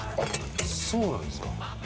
そうなんですか。